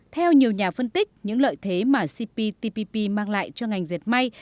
theo nhiều nhà phân tích những lợi thế mà cptpp mang lại cho ngành dệt may